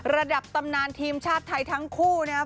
ระดับตำนานทีมชาติไทยทั้งคู่นะครับ